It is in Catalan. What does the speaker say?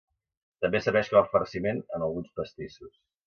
També serveix com farciment en alguns pastissos.